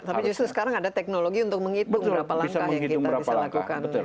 tapi justru sekarang ada teknologi untuk menghitung berapa langkah yang kita bisa lakukan